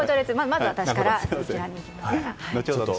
まずは私から。